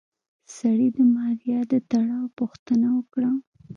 سړي د ماريا د تړاو پوښتنه وکړه.